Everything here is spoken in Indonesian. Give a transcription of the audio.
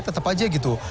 tetap aja gitu